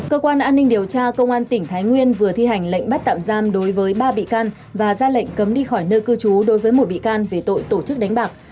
cơ quan an ninh điều tra công an tỉnh thái nguyên vừa thi hành lệnh bắt tạm giam đối với ba bị can và ra lệnh cấm đi khỏi nơi cư trú đối với một bị can về tội tổ chức đánh bạc